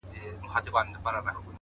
گراني بس څو ورځي لا پاته دي ـ